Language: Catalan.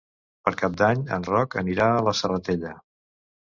Per Cap d'Any en Roc anirà a la Serratella.